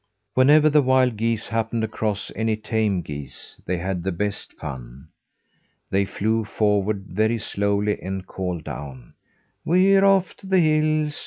Whenever the wild geese happened across any tame geese, they had the best fun! They flew forward very slowly and called down: "We're off to the hills.